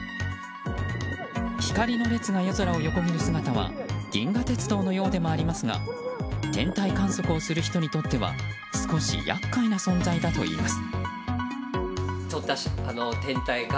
光の列が夜空を横切る姿は銀河鉄道のようでもありますが天体観測をする人にとっては少し厄介な存在だといいます。